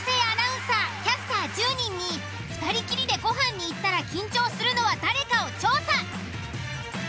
アナウンサー・キャスター１０人に２人きりでご飯に行ったら緊張するのは誰かを調査。